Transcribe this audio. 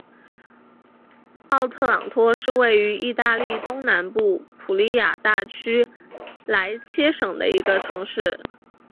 奥特朗托是位于义大利东南部普利亚大区莱切省的一个城市。